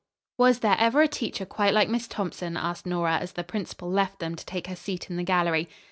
"Was there ever a teacher quite like Miss Thompson?" asked Nora as the principal left them to take her seat in the gallery.